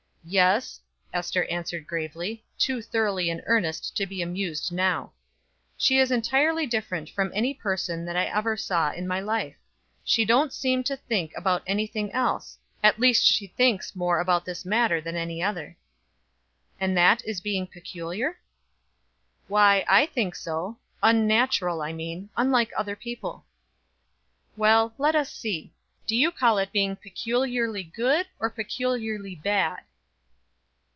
"Yes," Ester answered gravely, too thoroughly in earnest to be amused now; "she is entirely different from any person that I ever saw in my life. She don't seem to think about any thing else at least she thinks more about this matter than any other." "And that is being peculiar?" "Why I think so unnatural, I mean unlike other people." "Well, let us see. Do you call it being peculiarly good or peculiarly bad?"